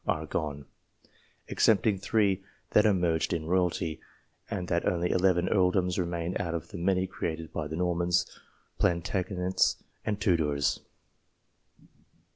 are gone, excepting three that are merged in royalty, and that only eleven earldoms remain out of the many created by the Normans, Plantagenets, and Tudors.